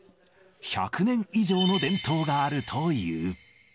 １００年以上の伝統があるという。